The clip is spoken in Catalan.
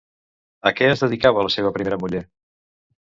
A què es dedicava la seva primera muller?